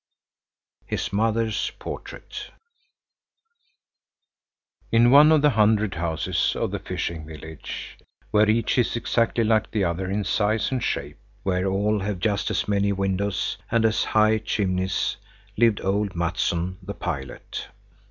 HIS MOTHER'S PORTRAIT In one of the hundred houses of the fishing village, where each is exactly like the other in size and shape, where all have just as many windows and as high chimneys, lived old Mattsson, the pilot.